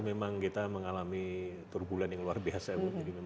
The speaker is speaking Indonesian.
dua ribu dua puluh satu memang kita mengalami turbulen yang luar biasa bu